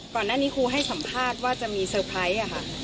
ก่อนหน้านี้ครูให้สัมภาษณ์ว่าจะมีเซอร์ไพรส์ค่ะ